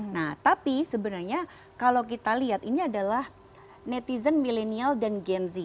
nah tapi sebenarnya kalau kita lihat ini adalah netizen milenial dan gen z